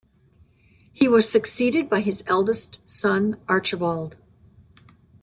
He was succeeded by his eldest son Archibald.